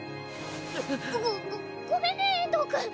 ごごごごめんね遠藤くん。